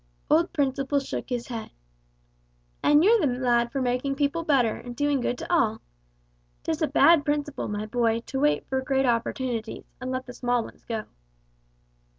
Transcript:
Old Principle shook his head. "And you're the lad for making people better, and doing good to all. 'Tis a bad principle, my boy, to wait for great opportunities, and let the small ones go!"